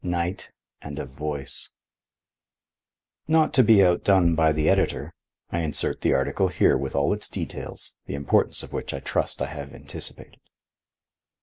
NIGHT AND A VOICE Not to be outdone by the editor, I insert the article here with all its details, the importance of which I trust I have anticipated.